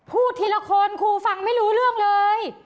พูดทีละคนครูฟังไม่รู้เรื่องเลย